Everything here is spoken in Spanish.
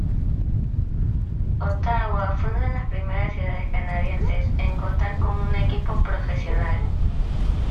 Ottawa fue una de las primeras ciudades canadienses en contar con un equipo profesional.